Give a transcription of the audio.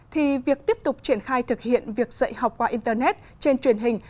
thì việc tiếp tục triển khai thực hiện việc dạy học qua internet trên truyền hình